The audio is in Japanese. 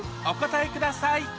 お答えください